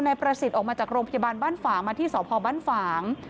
นายประศิษย์ออกมาจากโรงพยาบาลบ้านฝ่างมาที่สอบพอบ้านฝ่าง